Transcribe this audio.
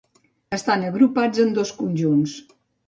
Estan agrupats en dos conjunts.